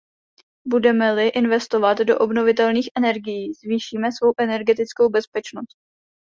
Budeme-li investovat do obnovitelných energií, zvýšíme svou energetickou bezpečnost.